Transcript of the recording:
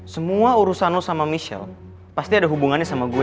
semua urusan lo sama michelle pasti ada hubungannya sama gue